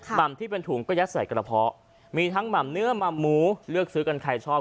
หม่ำที่เป็นถุงก็ยัดใส่กระเพาะมีทั้งหม่ำเนื้อหม่ำหมูเลือกซื้อกันใครชอบ